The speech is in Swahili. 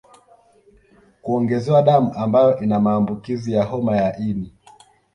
Kuongezewa damu ambayo ina maambukizi ya homa ya ini